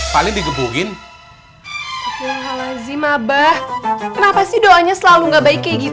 kalian mati nih anak orang ini